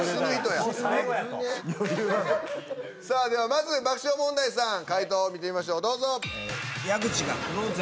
ではまず爆笑問題さん解答を見てみましょうどうぞ。